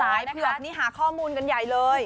สายเพื่อกนิหาข้อมูลกันใหญ่เลย